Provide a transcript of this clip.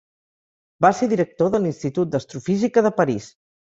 Va ser director de l'Institut d'Astrofísica de París.